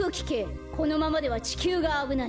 このままではちきゅうがあぶない。